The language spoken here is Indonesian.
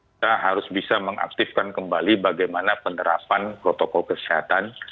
kita harus bisa mengaktifkan kembali bagaimana penerapan protokol kesehatan